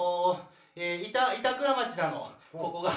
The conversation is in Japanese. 板倉町なのここが。